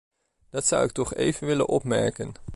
Dat zou ik toch even willen opmerken.